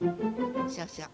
そうそう。